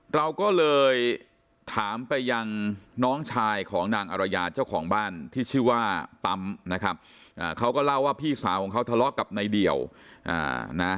เราก็เลยถามไปยังน้องชายของนางอรยาเจ้าของบ้านที่ชื่อว่าปั๊มนะครับเขาก็เล่าว่าพี่สาวของเขาทะเลาะกับนายเดี่ยวนะ